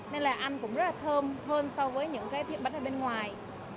nên là ăn cũng rất là thơm hơn so với những cái thiện bánh ở bên ngoài